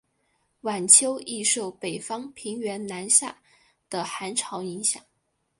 晚秋易受北方平原南下的寒潮影响。